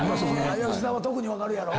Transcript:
吉田は特に分かるやろ。